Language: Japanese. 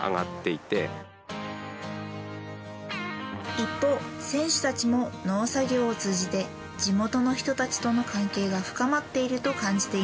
一方選手たちも農作業を通じて地元の人たちとの関係が深まっていると感じています。